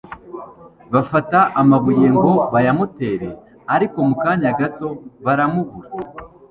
Bafata amabuye ngo bayamutere, ariko mu kanya gato baramubura.